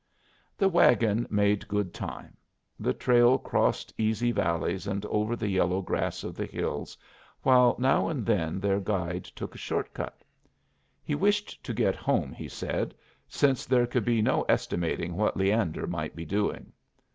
The wagon made good time. The trail crossed easy valleys and over the yellow grass of the hills, while now and then their guide took a short cut. He wished to get home, he said, since there could be no estimating what Leander might be doing.